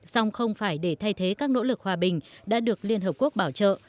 song không phải để thay thế các nỗ lực hòa bình đã được liên hợp quốc bảo trợ